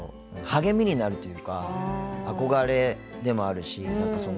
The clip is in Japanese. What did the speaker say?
励みになるというか憧れでもあるし。